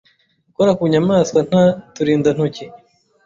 gukora ku nyamaswa nta turindantoki